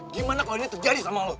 gimana kalau ini terjadi sama allah